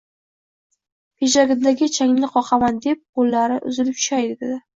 Pidjagidagi changni qoqaman deb qo`llari uzilib tushay dedi